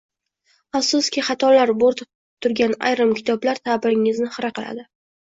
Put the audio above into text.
Afsuski xatolar bo‘rtib turgan ayrim kitoblar ta’bingizni xira qiladi.